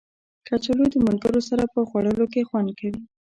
کچالو د ملګرو سره په خوړلو کې خوند کوي